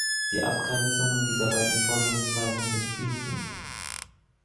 Die Abgrenzungen dieser beiden Vorgehensweisen sind fließend.